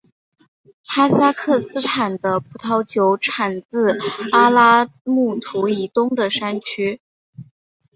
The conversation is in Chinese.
哈萨克斯坦的葡萄酒产自阿拉木图以东的山区。